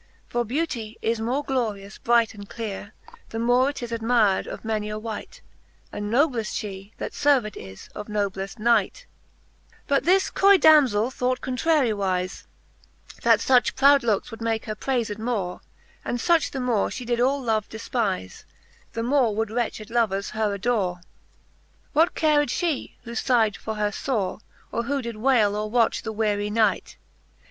For beautie is more glorious bright and clere,, The more it is admir'd of many a wight, Andnoblefl fhe, that ferved is of noblefl Knight.. XXX. But 3 1 o ^'he fixthe Booke of Canto VII. But tills coy Damzell thought contrariwize, * That fuch proud looks would make her prayfed more; And that the more fhe did all love defpize, The more would wretched lovers her adore. ' What cared fhe, who fighed for her fore, Or who did wayle or watch the wearie night